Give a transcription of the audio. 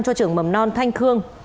cho trường mầm non thanh khương